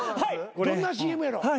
どんなＣＭやろ？